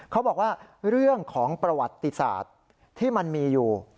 เขาบอกว่าเรื่องของประวัติศาสตร์ที่มันมีอยู่